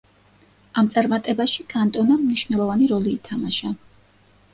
ამ წარმატებაში კანტონამ მნიშვნელოვანი როლი ითამაშა.